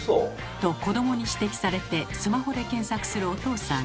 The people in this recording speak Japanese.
と子どもに指摘されてスマホで検索するお父さん。